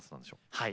はい。